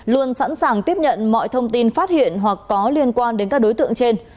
luôn sẵn sàng tiếp nhận mọi thông tin phát hiện hoặc có liên quan đến các đối tượng trên